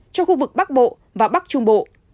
trong khu vực bắc bộ và bắc trung bộ